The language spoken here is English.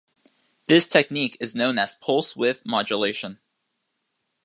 This technique is known as pulse-width modulation.